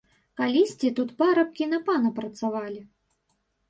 Калісьці тут парабкі на пана працавалі.